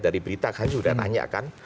dari berita kami sudah tanya kan